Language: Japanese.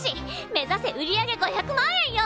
目指せ売り上げ５００万円よ！